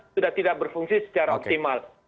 sudah tidak berfungsi secara optimal